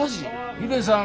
ヒデさん